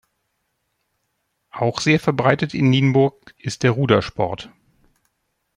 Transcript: Auch sehr verbreitet in Nienburg ist der Rudersport.